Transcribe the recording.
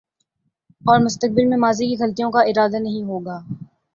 اورمستقبل میں ماضی کی غلطیوں کا اعادہ نہیں ہو گا۔